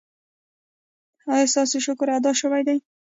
ایا ستاسو شکر ادا شوی دی؟